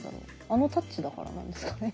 あのタッチだからなんですかね。